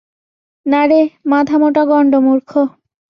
নারে, মাথা মোটা গন্ডমূর্খ!